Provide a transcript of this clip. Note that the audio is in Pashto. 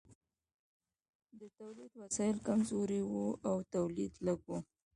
د تولید وسایل کمزوري وو او تولید لږ و.